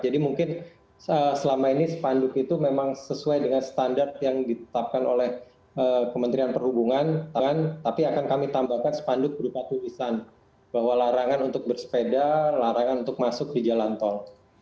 jadi mungkin selama ini sepanduk itu memang sesuai dengan standar yang ditetapkan oleh kementerian perhubungan tapi akan kami tambahkan sepanduk berupa tulisan bahwa larangan untuk bersepeda larangan untuk masuk di jalan tol